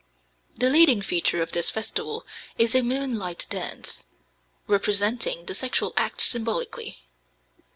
The leading feature of this festival is a moonlight dance, representing the sexual act symbolically.